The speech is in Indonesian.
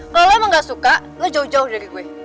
kalau lo emang gak suka lo jauh jauh dari gue